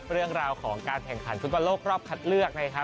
เรื่องราวของการแข่งขันฟุตวันโลกรอบคัดเลือก